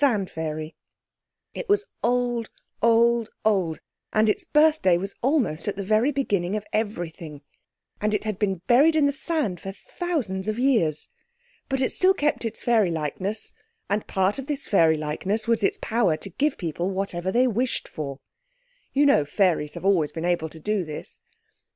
(Psammead is pronounced Sammy ad.) It was old, old, old, and its birthday was almost at the very beginning of everything. And it had been buried in the sand for thousands of years. But it still kept its fairylikeness, and part of this fairylikeness was its power to give people whatever they wished for. You know fairies have always been able to do this.